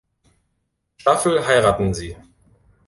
Staffel heiraten sie.